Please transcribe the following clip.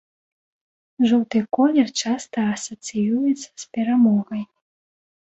Жоўты колер часта асацыюецца з перамогай.